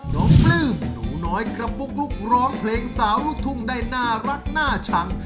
ปลื้มหนูน้อยกระปุ๊กลุกร้องเพลงสาวลูกทุ่งได้น่ารักน่าชัง